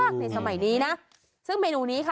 กโยก